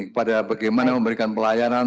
kepada bagaimana memberikan pelayanan